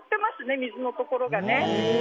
水のところが。